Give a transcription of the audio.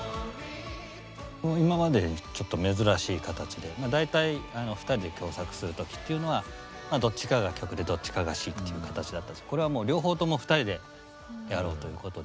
今まででちょっと珍しい形でまあ大体ふたりで共作する時っていうのはどっちかが曲でどっちかが詞っていう形だったんですけどこれはもう両方ともふたりでやろうということで。